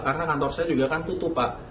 karena kantor saya juga kan tutup pak